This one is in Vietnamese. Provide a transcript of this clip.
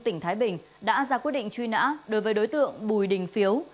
tỉnh thái bình đã ra quyết định truy nã đối với đối tượng bùi đình phiếu